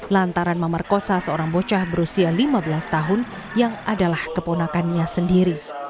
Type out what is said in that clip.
lantaran memerkosa seorang bocah berusia lima belas tahun yang adalah keponakannya sendiri